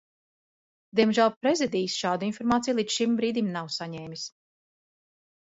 Diemžēl Prezidijs šādu informāciju līdz šim brīdim nav saņēmis.